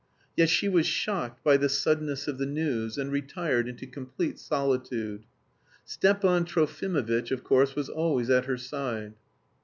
Yet she was shocked by the suddenness of the news, and retired into complete solitude. Stepan Trofimovitch, of course, was always at her side.